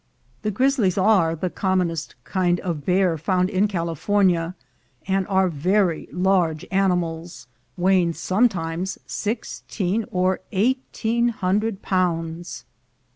178 THE GOLD HUNTERS The grizzlies are the commonest kind of bear found in California, and are very large animals, weighing sometimes sixteen or eighteen hundred pounds.